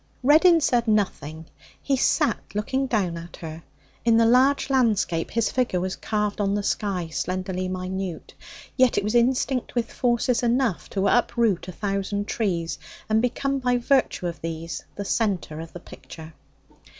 Reddin said nothing. He sat looking down at her. In the large landscape his figure was carved on the sky, slenderly minute; yet it was instinct with forces enough to uproot a thousand trees and become, by virtue of these, the centre of the picture.